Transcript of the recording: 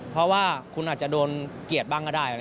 เพราะว่าคุณอาจจะโดนเกียรติบ้างก็ได้